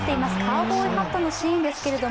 カウボーイハットのシーンです。